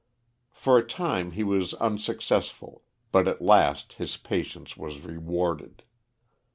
For a time he was unsuccessful, but at last his patience was rewarded.